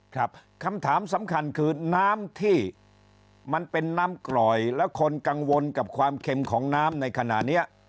คำถามสำคัญคือน้ำที่มันเป็นน้ำกร่อยแล้วคนกังวลกับความเค็มของน้ำในขณะนี้